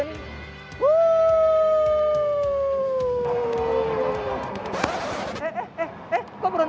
jangan dorong dong